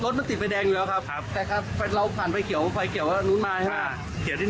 รถมันติดไฟแดงอยู่แล้วครับแต่ครับเราผ่านไฟเขียวไฟเขียวทางนู้นมาใช่ไหม